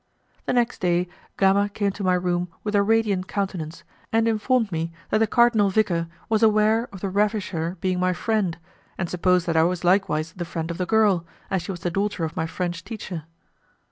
The next day, Gama came to my room with a radiant countenance, and informed me that the Cardinal Vicar was aware of the ravisher being my friend, and supposed that I was likewise the friend of the girl, as she was the daughter of my French teacher.